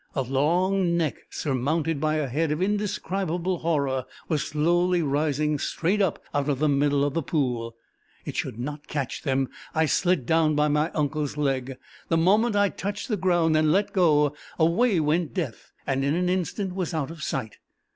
A long neck, surmounted by a head of indescribable horror, was slowly rising straight up out of the middle of the pool. It should not catch them! I slid down by my uncle's leg. The moment I touched the ground and let go, away went Death, and in an instant was out of sight.